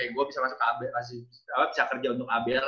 gue bisa kerja untuk abl